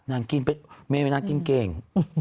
นางกินเก่ง